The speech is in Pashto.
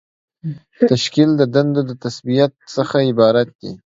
تشکیل د دندو د تثبیت څخه عبارت دی.